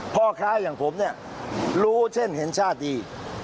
ผู้ชายอย่างผมรู้เช่นเห็นชาติดี